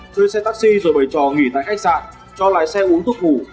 thuê xe taxi rồi bày trò nghỉ tại khách sạn cho lái xe uống thuốc ngủ